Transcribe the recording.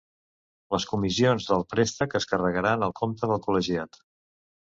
Les comissions del préstec es carregaran al compte del col·legiat.